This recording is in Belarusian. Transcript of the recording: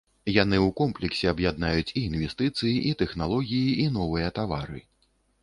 Яны ў комплексе аб'яднаюць і інвестыцыі, і тэхналогіі, і новыя тавары.